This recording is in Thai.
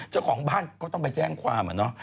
เจ้าของบ้านก็ต้องไปแจ้งความอะเนาะ